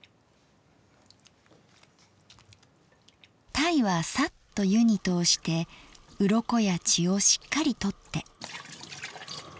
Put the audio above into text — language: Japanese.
鯛はサッと湯に通してウロコや血をしっかり取って。